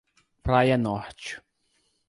Praia Norte